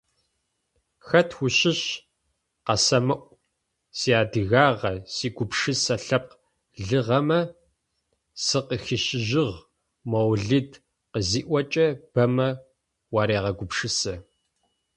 «Хэт ущыщ? къысэмыӀу! Сиадыгагъэ, Сигупшысэ Лъэпкъ лыгъэмэ сакъыхищыжьыгъ…»,- Моулид къызиӏокӏэ, бэмэ уарегъэгупшысэ.